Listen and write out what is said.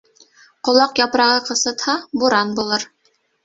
Ҡолаҡ япрағы ҡысытһа, буран булыр.